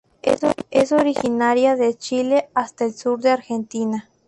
Es originaria de Chile hasta el sur de Argentina.